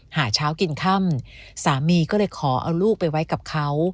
หาเช้ากินค่ำสามีก็เลยขอเอาลูกไปไว้กับเขา